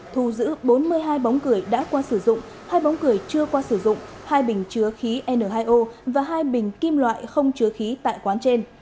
thu giữ bốn mươi hai bóng cười đã qua sử dụng hai bóng cười chưa qua sử dụng hai bình chứa khí n hai o và hai bình kim loại không chứa khí tại quán trên